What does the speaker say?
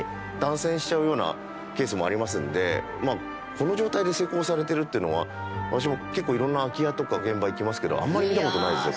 この状態で施工されてるっていうのは私も結構いろんな空き家とか現場行きますけどあんまり見た事ないですね。